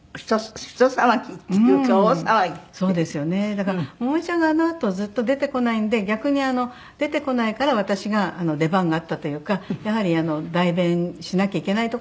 だから百恵ちゃんがあのあとずっと出てこないんで逆に出てこないから私が出番があったというかやはり代弁しなきゃいけないところもあったし。